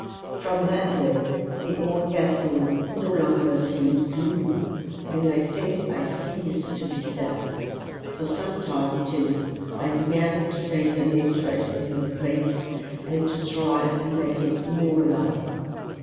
From that day the old Castle no longer seemed gloomy, and I think I ceased to be sad; for some time, too, I began to take an interest in the place, and to try and make it more alive.